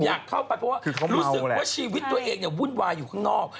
อยากเข้าไปเพราะว่ารู้สึกว่าชีวิตตัวเองวุ่นวายอยู่ข้างนอก